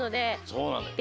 そうなのよ。